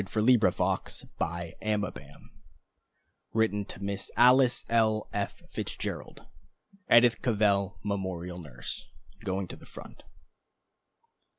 The Merciful Hand Written to Miss Alice L. F. Fitzgerald, Edith Cavell memorial nurse, going to the front.